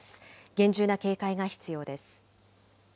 厳重な警戒が必要です。